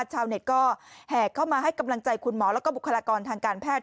ชาวเน็ตก็แห่เข้ามาให้กำลังใจคุณหมอแล้วก็บุคลากรทางการแพทย์